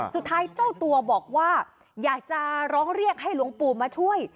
เจ้าตัวบอกว่าอยากจะร้องเรียกให้หลวงปู่มาช่วย